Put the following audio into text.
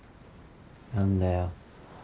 何だよ。